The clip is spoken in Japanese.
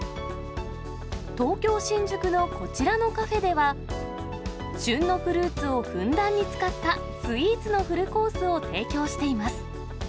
東京・新宿のこちらのカフェでは、旬のフルーツをふんだんに使ったスイーツのフルコースを提供しています。